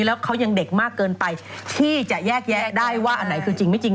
แล้วเขายังเด็กมากเกินไปที่จะแยกแยะได้ว่าอันไหนคือจริงไม่จริง